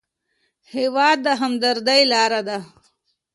هېواد د همدردۍ لاره ده.